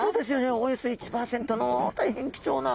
およそ１％の大変貴重な。